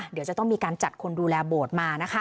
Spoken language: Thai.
เดี๋ยวจะต้องมีการจัดคนดูแลอบทมา